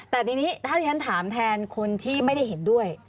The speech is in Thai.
แต่ในนี้ถ้าฉันถามทางคนที่ไม่ได้เห็นด้วย